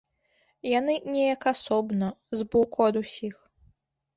Яны неяк асобна, збоку ад усіх.